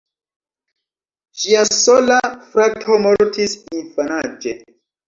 Ŝia sola frato mortis infanaĝe.